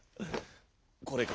これか。